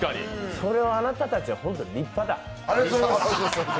それはあなたたちは本当、立派だ。